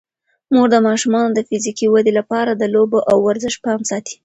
مور د ماشومانو د فزیکي ودې لپاره د لوبو او ورزش پام ساتي.